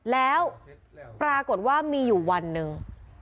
แล้วปรากฏว่ามีอยู่วันหนึ่ง